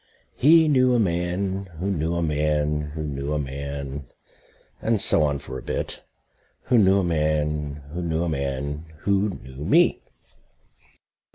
He knew a man who knew a man who knew a man ... and so on for a bit ... who knew a man who knew a man who knew me.